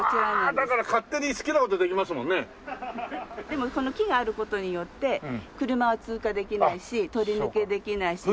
でもその木がある事によって車は通過できないし通り抜けできないし。